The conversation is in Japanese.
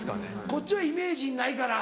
こっちはイメージにないから。